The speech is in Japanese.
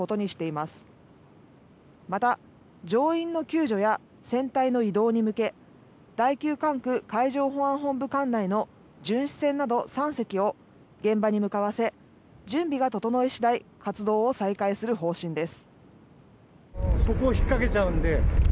また、乗員の救助や船体の移動に向け第９管区海上保安本部管内の巡視船など３隻を現場に向かわせ準備が整いしだい活動を再開する方針です。